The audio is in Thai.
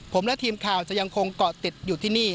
ผมและทีมข่าวจะยังคงเกาะติดอยู่ที่นี่